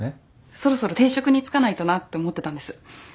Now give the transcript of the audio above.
そろそろ定職に就かないとなって思ってたんです。